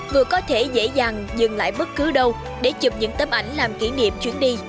vừa có thể dễ dàng dừng lại bất cứ đâu để chụp những tấm ảnh làm kỷ niệm chuyến đi